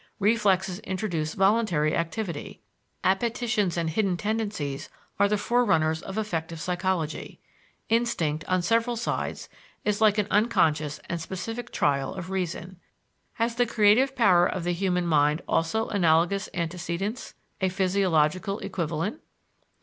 Reflexes introduce voluntary activity; appetitions and hidden tendencies are the forerunners of effective psychology. Instinct, on several sides, is like an unconscious and specific trial of reason. Has the creative power of the human mind also analogous antecedents, a physiological equivalent?